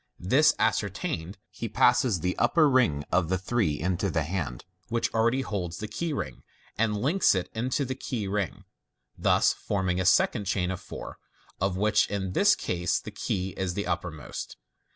This ascertained, he passes the upper ring of the three into the hand which already holds the key ring, and links it into the key ring, thus forming a second chain of four, of which in this case the key is the uppermost.